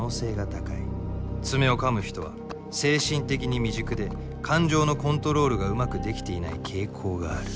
爪をかむ人は精神的に未熟で感情のコントロールがうまくできていない傾向がある。